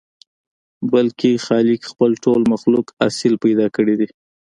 بلکې خالق خپل ټول مخلوق اصيل پيدا کړي دي.